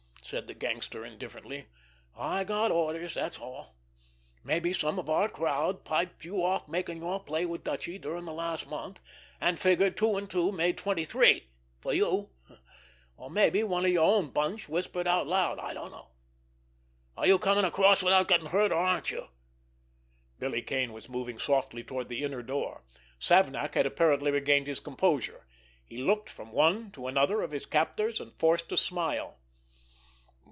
said the gangster indifferently. "I got orders, that's all. Mabbe some of our crowd piped you off making your play with Dutchy during the last month, and figured two and two made twenty three—for you; or mabbe one of your own bunch whispered out loud. I dunno! Are you coming across without getting hurt, or aren't you?" Billy Kane was moving softly toward the inner door. Savnak had apparently regained his composure. He looked from one to another of his captors, and forced a smile.